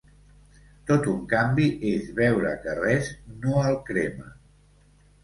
Tot un canvi és veure que res no el crema.